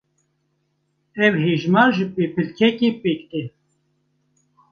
Ev hejmar ji pêpilkekê pêk tên.